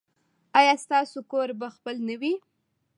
ایا ستاسو کور به خپل نه وي؟